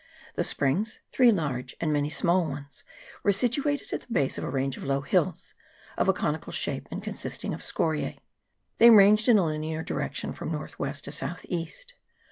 The springs, three large and many small ones, were situated at the base of a range of low hills, of a conical shape, and consisting of scorise. They ranged in a linear direction from north west to south east.